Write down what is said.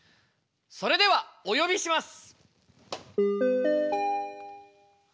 それではおよびします！